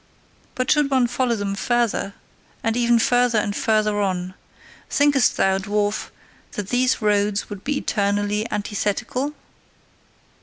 But should one follow them further and ever further and further on, thinkest thou, dwarf, that these roads would be eternally antithetical?"